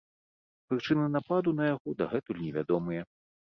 Прычыны нападу на яго дагэтуль невядомыя.